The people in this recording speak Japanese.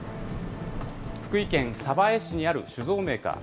福井県鯖江市にある酒造メーカー。